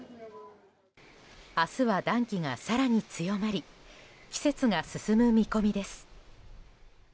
明日は暖気が更に強まり季節が進む見込みです。